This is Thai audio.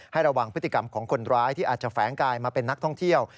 ระวังพฤติกรรมของคนร้ายที่อาจจะแฝงกายมาเป็นนักท่องเที่ยว